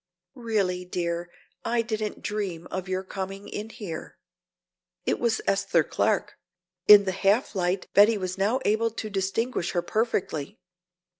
Really, dear, I didn't dream of your coming in here." It was Esther Clark. In the half light Betty was now able to distinguish her perfectly.